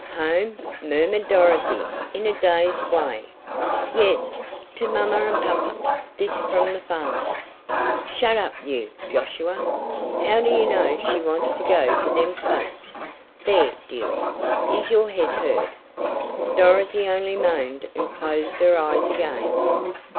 "Home!" murmured Dorothy in a dazed way. "Yes, to mommer and popper!" This from the farmer. "Shet up, you, Josiah! How do you know she wants to go to them folks! There, dearie, is your head hurt?" Dorothy only moaned and closed her eyes again.